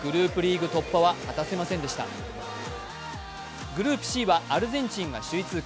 グループＣはアルゼンチンが首位通過。